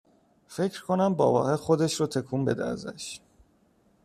فکر کنم باباهه خودش رو تکون بده ازش